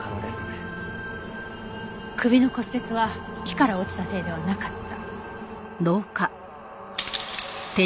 首の骨折は木から落ちたせいではなかった。